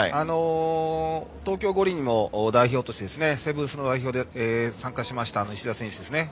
東京五輪も代表としてセブンスの代表で参加しました石田選手ですね。